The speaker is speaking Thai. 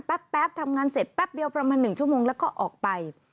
แป๊บทำงานเสร็จแป๊บเดียวประมาณ๑ชั่วโมงแล้วก็ออกไป